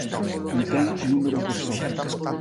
Contén números de sobra.